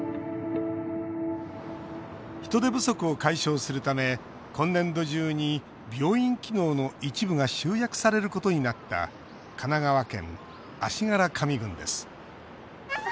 人手不足を解消するため今年度中に病院機能の一部が集約されることになった神奈川県足柄上郡です